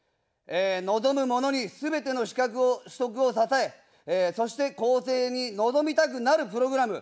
望む者に、すべての資格を、取得を支え、そして更生に臨みたくなるプログラム。